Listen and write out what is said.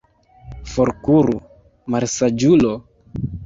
Forkuru, malsaĝulo!